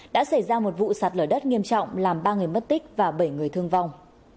đã xảy ra một vụ sạt lở đất nghiêm trọng làm ba người mất tích và bảy người thương vong